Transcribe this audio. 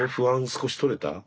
少し取れた？